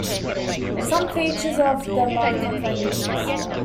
Some features of the markup languages.